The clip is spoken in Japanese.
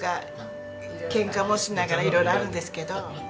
ケンカもしながら色々あるんですけど。